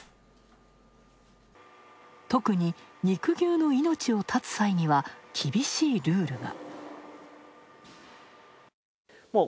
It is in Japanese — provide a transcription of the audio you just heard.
特に肉牛の命を絶つ際には厳しいルールが。